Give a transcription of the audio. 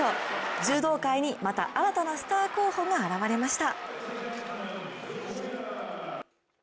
柔道界にまた新たなスター候補が現れました。